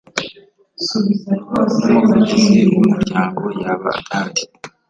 n umuvugizi w Umuryango yaba adahari